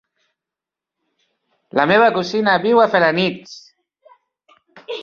La meva cosina viu a Felanitx.